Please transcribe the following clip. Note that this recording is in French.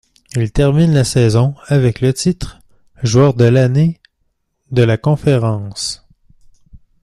Il termine la saison avec le titre ', joueur de l'année de la conférence.